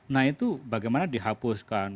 nah itu bagaimana dihapuskan